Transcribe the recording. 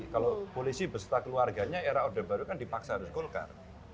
kalau polisi beserta keluarganya era order baru kan dipaksa harus golkar